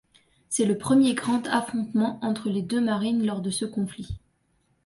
C'est le premier grand affrontement entre les deux marines lors de ce conflit.